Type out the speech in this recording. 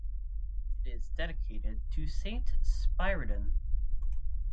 It is dedicated to Saint Spyridon.